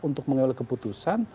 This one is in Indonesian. untuk mengelola keputusan